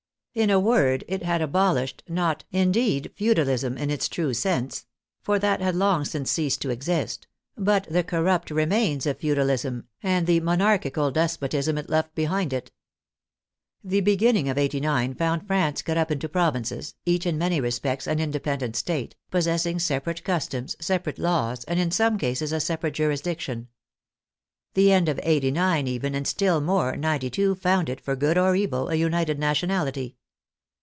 In a word, it had abolished, not, indeed, feudalism in its true sense — for that had long since ceased to exist — but the corrupt remains of feudalism and the monarchical despotism it left behind it. The beginning of '89 found France cut up into provinces, each in many respects an independent State, possessing separate customs, separate laws, and in some cases a separate jurisdiction. The end of '89 even, and still more, '92, found it, for good or evil, a united nationality.